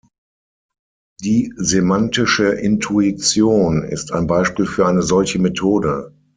Die Semantische Intuition ist ein Beispiel für eine solche Methode.